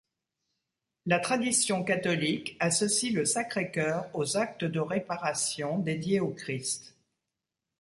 La tradition catholique associe le Sacré-Cœur aux actes de réparation dédiés au Christ.